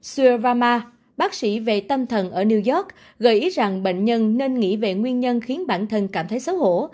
sueva bác sĩ về tâm thần ở new york gợi ý rằng bệnh nhân nên nghĩ về nguyên nhân khiến bản thân cảm thấy xấu hổ